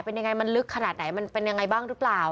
เป็นยังไงมันลึกขนาดไหนมันเป็นยังไงบ้างหรือเปล่า